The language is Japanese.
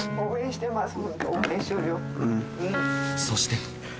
そして